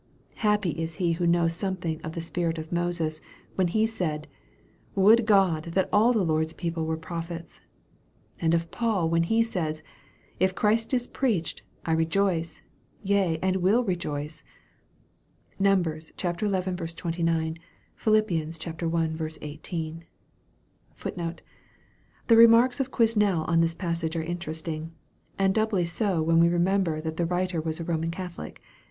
Happy is he who knows something of the spirit of Moses, when he said, " Would God that all the Lord's people were prophets ;" and of Paul, when he says, " If Christ is preached, I rejoice, yea, and will rejoice."* (Num. xi. 29 ; Phil. i. 18.) * The remarks of Quesnel on this passage are interesting and doubly so when we remember that the writer was a Roman Catho lic.